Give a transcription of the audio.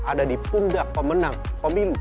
ada di pundak pemenang pemilu